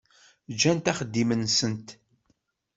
Gant axeddim-nsent.